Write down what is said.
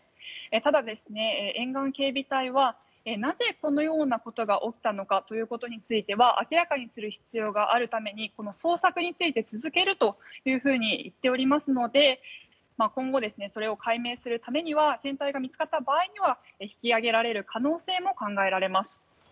ただ、沿岸警備隊はなぜ、このようなことが起きたのかということについては明らかにする必要があるために捜索について続けると言っておりますので今後、それを解明するためには船体が見つかった場合には引き揚げられる可能性も考えられます。